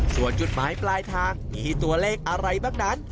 ส่วนจุดหมายปลายทางมีตัวเลขอะไรบ้างนั้น